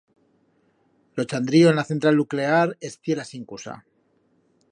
Lo chandrío en la central nuclear estié la sincusa.